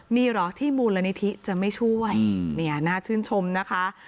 มีเหรอที่มูลนิธิจะไม่ช่วยเนี่ยน่าชื่นชมนะคะ